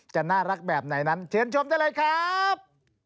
จะน่ารักแบบไหนนั้นเชิญชมได้เลยครับ